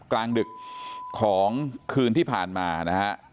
กลางดึกของคืนที่ผ่านมานะฮะ